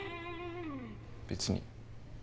別に。